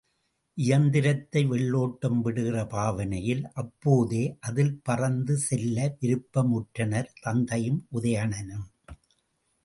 இயந்திரத்தை வெள்ளோட்டம் விடுகிற பாவனையில் அப்போதே அதில் பறந்து செல்ல விருப்பமுற்றனர் தத்தையும் உதயணனும்.